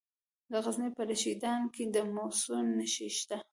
د غزني په رشیدان کې د مسو نښې شته.